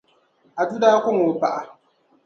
Adu daa kɔŋ o paɣa